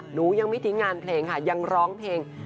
หนูยังไม่ทิ้งงานเพลงค่ะยังร้องเพลง